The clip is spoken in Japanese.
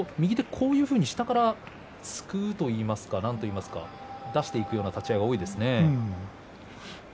右手こういうふうに下からすくうといいますか出していくような相撲が多いですね。